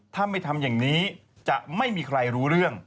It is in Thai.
ถ้าไม่ทำอย่างนี้จะไม่มีใครรู้เรื่อง